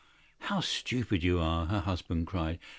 "How stupid you are!" her husband cried.